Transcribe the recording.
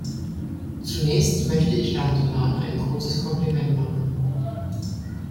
Zunächst möchte ich Herrn Solana ein großes Kompliment machen.